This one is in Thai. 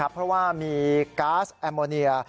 เพราะว่ามีก๊าซแอมโมเนีย